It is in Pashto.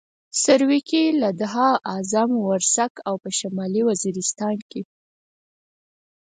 سرویکي، لدها، اعظم ورسک او په شمالي وزیرستان کې.